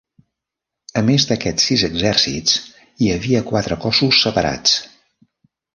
A més d'aquests sis exèrcits, hi havia quatre cossos separats.